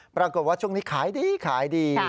ปรากฏว่าช่วงนี้ขายดีขายดี